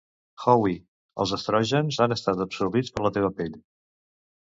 Howie, els estrògens han estat absorbits per la teva pell.